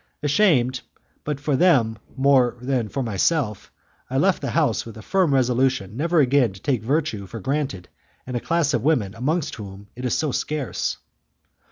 Ashamed, but for them more than myself, I left the house with a firm resolution never again to take virtue for granted in a class of women amongst whom it is so scarce.